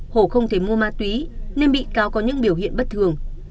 hồ không thể mua ma túy nên bị cáo có những biểu hiện bất thường